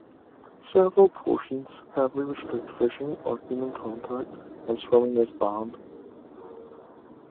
Several portions heavily restrict fishing or human contact, and swimming is banned.